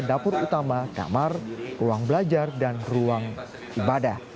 dapur utama kamar ruang belajar dan ruang ibadah